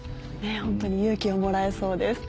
ホントに勇気をもらえそうです。